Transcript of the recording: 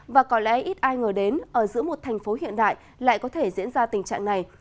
và có lẽ ít ai ngờ đến ở giữa một thành phố hiện đại lại có thể diễn ra tình trạng này